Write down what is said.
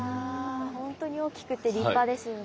ほんとに大きくて立派ですよね。